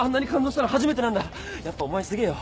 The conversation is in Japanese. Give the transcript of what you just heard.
やっぱお前すげえよ。